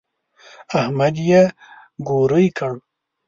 احمد يې ګوړۍ کړ.